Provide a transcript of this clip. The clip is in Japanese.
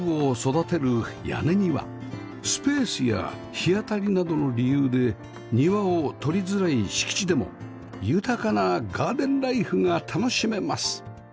スペースや日当たりなどの理由で庭をとりづらい敷地でも豊かなガーデンライフが楽しめます